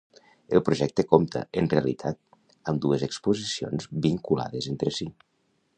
El projecte compta, en realitat, amb dues exposicions vinculades entre si.